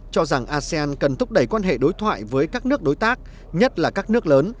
cho rằng asean cần thúc đẩy quan hệ đối thoại với các nước đối tác nhất là các nước lớn